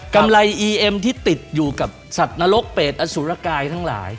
ไรอีเอ็มที่ติดอยู่กับสัตว์นรกเป็ดอสุรกายทั้งหลาย